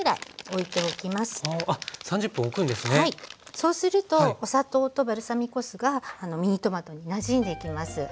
そうするとお砂糖とバルサミコ酢がミニトマトになじんでいきます。